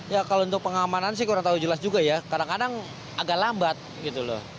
ya kalau untuk pengamanan sih kurang tahu jelas juga ya kadang kadang agak lambat gitu loh